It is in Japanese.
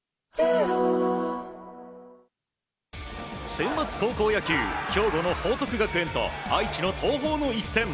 センバツ高校野球兵庫の報徳学園と愛知の東邦の一戦。